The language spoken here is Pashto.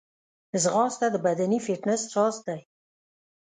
ځغاسته د بدني فټنس راز دی